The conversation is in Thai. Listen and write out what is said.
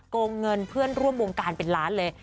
งเงินเพื่อนร่วมวงการเป็นล้านเลย